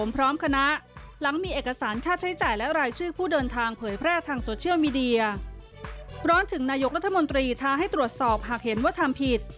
ร้อนถึงนายกรัฐมนตรีท้าให้ตรวจสอบหากเห็นว่าทำผิด